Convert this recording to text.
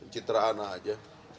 mencitra anak aja